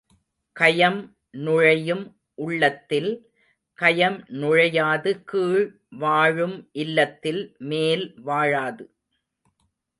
கயம் நுழையும் உள்ளத்தில் கயம் நுழையாது கீழ் வாழும் இல்லத்தில் மேல் வாழாது!